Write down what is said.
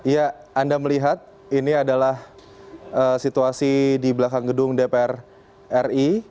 ya anda melihat ini adalah situasi di belakang gedung dpr ri